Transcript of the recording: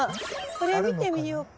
これ見てみようか。